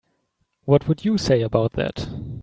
What would you say about that?